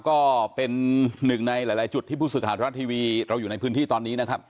ก็เป็นหนึ่งในหลายจุดที่ผู้สื่อข่าวทรัฐทีวีเราอยู่ในพื้นที่ตอนนี้นะครับ